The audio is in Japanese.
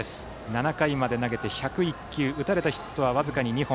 ７回まで投げて１０１球打たれたヒットは僅かに２本。